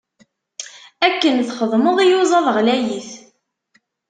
Akken txedmeḍ, iyuzaḍ ɣlayit.